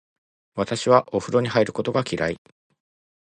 私はお風呂に入ることが嫌い。